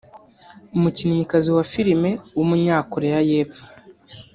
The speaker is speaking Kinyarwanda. umukinnyikazi wa filime w’umunyakoreya y’epfo